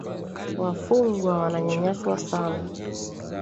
Wafungwa wananyanyaswa sana